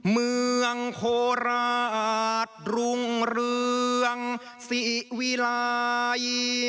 เมืองโคราชรุ่งเรืองศิวิลัย